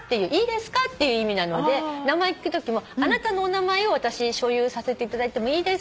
っていう意味なので名前聞くときもあなたのお名前を私に所有させていただいてもいいですか？